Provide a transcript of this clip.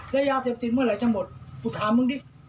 และยาเสพติดเมื่อไหร่จะหมดกูถามมึงดิ